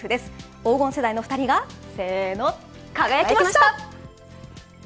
黄金世代の２人がせーの、輝きました。